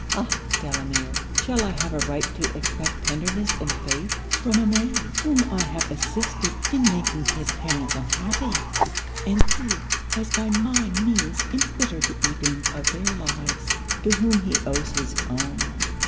Ah! Delamere! shall I have a right to expect tenderness and faith from a man whom I have assisted in making his parents unhappy; and who has by my means embittered the evening of their lives to whom he owes his own?